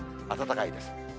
暖かいです。